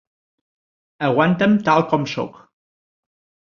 Aguanta'm tal com sóc.